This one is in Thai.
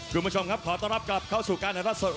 คุณผู้ชมครับขอต้อนรับกลับเข้าสู่การถ่ายทอดสด